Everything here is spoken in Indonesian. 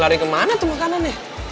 lari kemana tuh makanannya